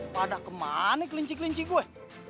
pada kemana kelinci kelinci gue